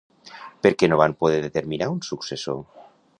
Per què no van poder determinar un successor?